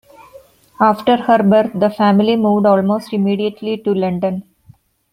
After her birth the family moved almost immediately to London.